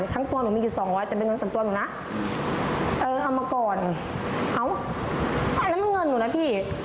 ทั้งตัวหนูมีอยู่สองร้อยแต่เป็นเงินส่วนตัวหนูนะเออทำมาก่อนเอ้าไม่แล้วมันเงินหนูนะพี่